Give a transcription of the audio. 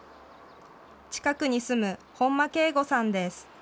近くに住む本間啓五さんです。